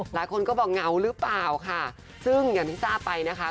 หลายคนก็บอกเหงาหรือเปล่าค่ะซึ่งอย่างที่ทราบไปนะคะ